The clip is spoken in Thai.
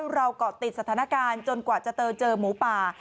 เราเกาะติดสถานการณ์จนกว่าจะเจอหมูป่า